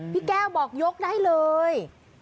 พี่แก้วบอกยกได้เลย